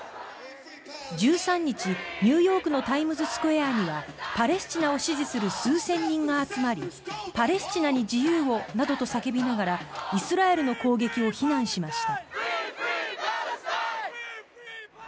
１３日、ニューヨークのタイムズスクエアにはパレスチナを支持する数千人が集まりパレスチナに自由をなどと叫びながらイスラエルの攻撃を非難しました。